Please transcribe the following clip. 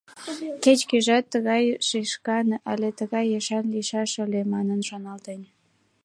Кеч-кӧжат «тыгай шешкан», але «тыгай ешан лийшаш ыле» манын шоналтен.